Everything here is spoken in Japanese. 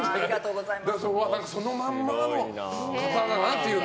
そのまんまの方だなという。